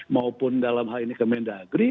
maupun dalam hal ini kemendagri